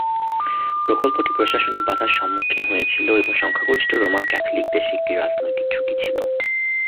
প্রকল্পটি প্রশাসনিক বাধার সম্মুখীন হয়েছিল এবং সংখ্যাগরিষ্ঠ রোমান ক্যাথলিক দেশে একটি রাজনৈতিক ঝুঁকি ছিল।